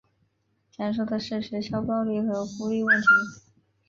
讲述的是学校暴力和孤立问题。